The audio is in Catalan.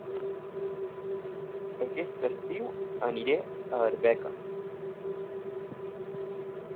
Aquest estiu aniré a Arbeca